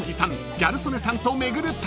ギャル曽根さんと巡る旅］